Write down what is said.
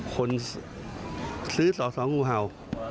คนซื้อสอสองูเห่า